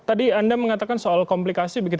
tadi anda mengatakan soal komplikasi begitu